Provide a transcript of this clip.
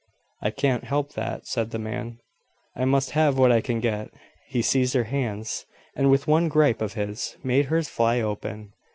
"I can't help that," said the man. "I must have what I can get." He seized her hands, and, with one gripe of his, made hers fly open.